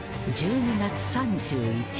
１２月３１日］